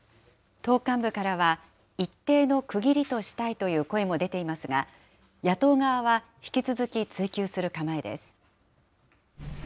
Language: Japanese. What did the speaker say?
党幹部からは、一定の区切りとしたいという声も出ていますが、野党側は、引き続き追及する構えです。